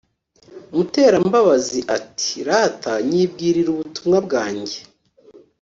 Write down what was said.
Muterambabazi ati"rata nyibwirire ubutumwa bwanjye